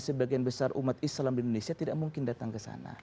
sebagian besar umat islam di indonesia tidak mungkin datang ke sana